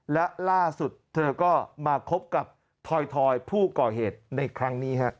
และล่าสุดเธอก็มาคบกับทอยผู้ก่อเหตุในครั้งนี้ฮะ